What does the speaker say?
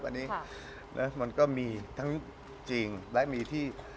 อันนี้มันก็มีทั้งจริงและมีที่